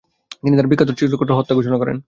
তিনি তার বিখ্যাত "চিত্রকলার হত্যা" ঘোষণা করেন।